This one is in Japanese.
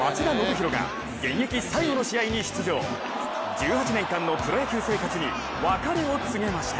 １８年間のプロ野球生活に別れを告げました。